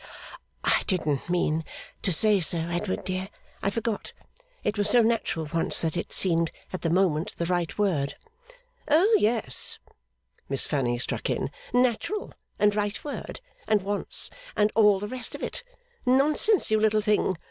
'I didn't mean to say so, Edward dear. I forgot. It was so natural once, that it seemed at the moment the right word.' 'Oh yes!' Miss Fanny struck in. 'Natural, and right word, and once, and all the rest of it! Nonsense, you little thing!